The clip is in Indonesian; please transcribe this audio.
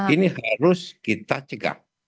ini harus kita cegah